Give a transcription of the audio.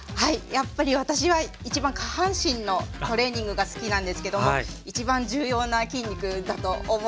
やっぱり私は一番下半身のトレーニングが好きなんですけども一番重要な筋肉だと思うんですよ。